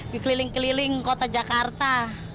dikeliling keliling kota jakarta